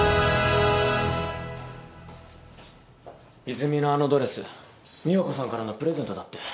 泉のあのドレス美保子さんからのプレゼントだって。